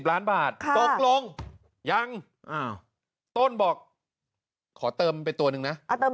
๑๐ล้านบาทตกลงยังอ้าวโต้นบอกขอเติมไปตัวหนึ่งนะอ่าเติม